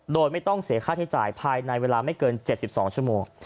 โดยไม่ต้องเสียค่าใช้จ่ายภายในเวลาไม่เกิน๗๒ชั่วโมง